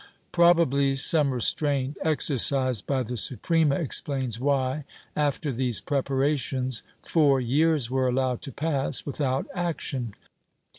^ Probably some restraint exercised by the Suprema explains why, after these preparations, four years were allowed to pass without action.